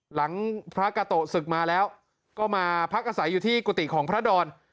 หลังพระกาโตะศึกมาแล้วก็มาพักอาศัยอยู่ที่กุฏิของพระดอน